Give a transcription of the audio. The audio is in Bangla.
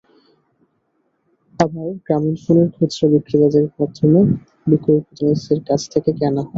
আবার গ্রামীণফোনের খুচরা বিক্রেতাদের মাধ্যমে বিক্রয় প্রতিনিধিদের কাছে থেকে কেনা হয়।